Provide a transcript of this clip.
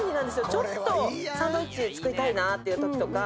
ちょっとサンドイッチ作りたいなっていうときとか。